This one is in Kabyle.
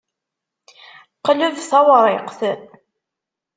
Qleb tawṛiqt.